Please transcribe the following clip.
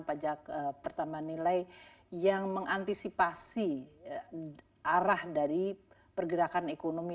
pajak pertambahan nilai yang mengantisipasi arah dari pergerakan ekonomi